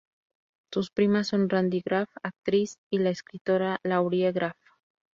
Sus primas son Randy Graff, actriz, y la escritora Laurie Graff.